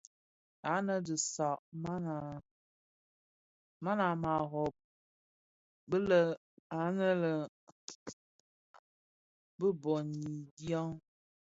Ànë a disag man a màa rôb bi lë à lëê bi bôn bë biàg.